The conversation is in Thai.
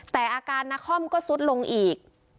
แต่อาการนาคอมก็ซุดลงอีก